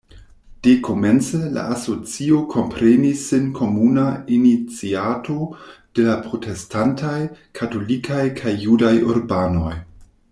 Dekomence la asocio komprenis sin komuna iniciato de la protestantaj, katolikaj kaj judaj urbanoj.